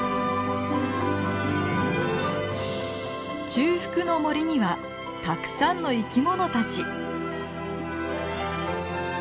中腹の森にはたくさんの生き物たち。